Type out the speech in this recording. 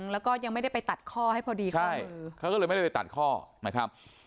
แล้วก็ยังไม่ได้ไปตัดข้อให้พอดีข้อมือ